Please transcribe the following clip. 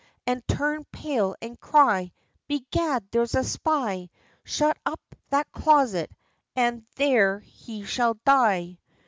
And turn pale and cry, 'Bedad there's a spy Shut up in that closet, and there he shall die!